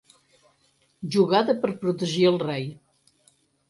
Jugada per protegir el rei.